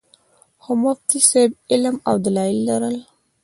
خو مفتي صېب علم او دلائل لرل